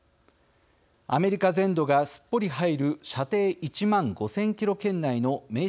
アメリカ全土がすっぽり入る射程１万５，０００キロ圏内の命中率の向上。